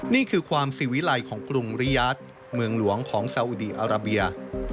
นี่คือความสิวิลัยของกรุงริยาทเมืองหลวงของซาอุดีอาราเบีย